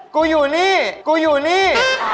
กูอยู่นี่กูอยู่นี่